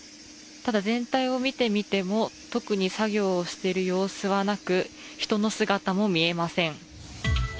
ただ、全体を見てみても特に作業している様子はなく人の姿も見えません。